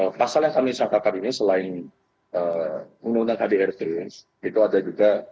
pasal yang kami sampaikan ini selain pengundang kdrt itu ada juga